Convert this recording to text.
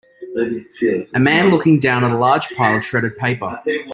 A man looking down at a large pile of shredded paper.